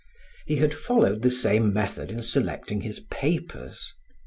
He had followed the same method in selecting his papers.